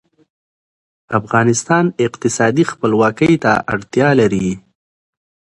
افغانستان اقتصادي خپلواکۍ ته اړتیا لري